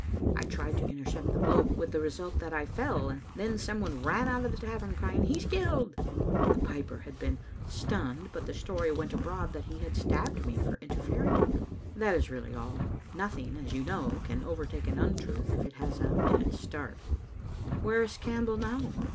I tried to intercept the blow, with the result that I fell, and then some one ran out of the tavern crying, *He*s killed!* The piper had been «tunned,. Digitized by VjOOQ IC tCbe Dill JSetoce S)atftne60 fcH 289 but the story went abroad that he had stabbed me for interfering with him. That is really all. Nothing, as yoia know, can overtake an untruth if it has a minute's start." "Where is Campbell now?"